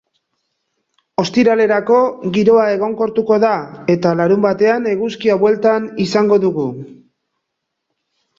Ostiralerako giroa egonkortuko da eta larunbatean eguzkia bueltan izango dugu.